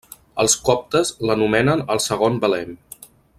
Els coptes l'anomenen el segon Belem.